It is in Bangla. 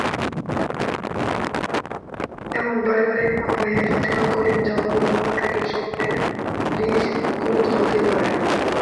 এমন পারিবারিক আবহে ফাতিমা কলিম জাফরের মনেও ক্রিকেট-স্বপ্নের বীজ অংকুরিত হতেই পারে।